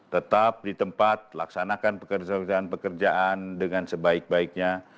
tetap di tempat laksanakan pekerjaan pekerjaan dengan sebaik baiknya